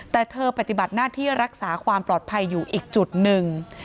แต่เธอปฏิบัติหน้าที่รักษาความปลอดภัยอยู่อีกจุดหนึ่ง